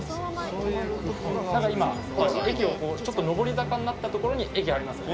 だから今駅をこうちょっと上り坂になった所に駅ありますよね。